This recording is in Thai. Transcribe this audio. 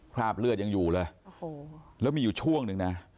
คราบเลือดยังอยู่เลยโอ้โหแล้วมีอยู่ช่วงหนึ่งนะ